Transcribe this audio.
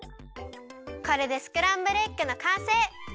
これでスクランブルエッグのかんせい！